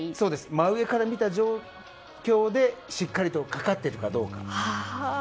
真上から見た状況でしっかりとかかっているかどうか。